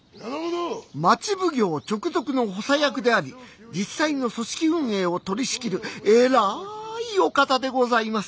町奉行直属の補佐役であり実際の組織運営を取りしきる偉いお方でございます。